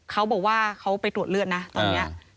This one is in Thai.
เขาบอกว่าเขาไปตรวจเลือดนะตอนนี้